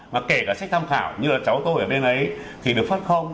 mà kể cả sách tham khảo như là cháu tôi ở bên ấy thì được phát không